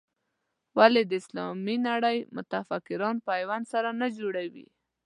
ولې د اسلامي نړۍ متفکران پیوند سره نه جوړوي.